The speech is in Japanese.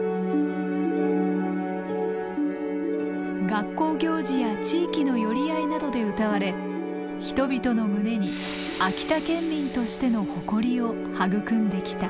学校行事や地域の寄り合いなどで歌われ人々の胸に秋田県民としての誇りを育んできた。